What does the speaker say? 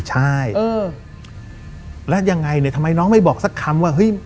ใช่แล้วยังไงเนี่ยทำไมน้องไม่บอกสักคำว่าเฮ้ย